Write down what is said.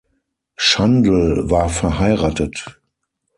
Schandl war verheiratet.